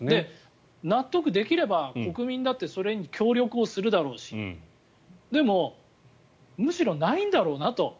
納得できれば国民だってそれに協力をするだろうしでも、むしろないんだろうなと。